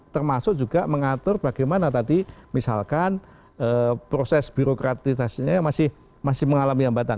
termasuk juga mengatur bagaimana tadi misalkan proses birokratisasinya masih mengalami hambatan